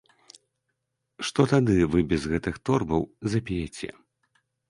Што тады вы без гэтых торбаў запеяце?